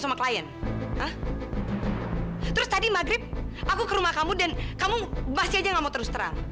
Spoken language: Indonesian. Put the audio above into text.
aku mau ke rumah kamu dan kamu masih aja nggak mau terus terang